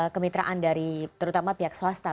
kemitraan dari terutama pihak swasta